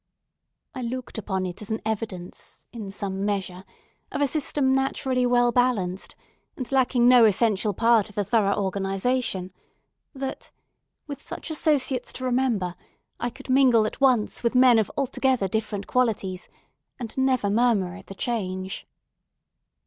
I looked upon it as an evidence, in some measure, of a system naturally well balanced, and lacking no essential part of a thorough organization, that, with such associates to remember, I could mingle at once with men of altogether different qualities, and never murmur at the change.